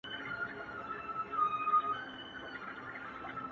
• چي سیالي وي د قلم خو نه د تورو,